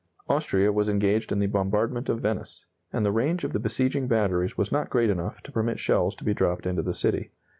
Austria was engaged in the bombardment of Venice, and the range of the besieging batteries was not great enough to permit shells to be dropped into the city.